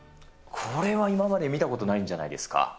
これは今まで見たことないんじゃないですか。